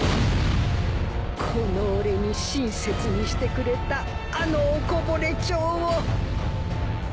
この俺に親切にしてくれたあのおこぼれ町を